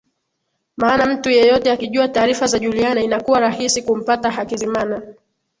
Maana mtu yeyote akijua taarifa za Juliana inakuwa rahisi kumpata Hakizimana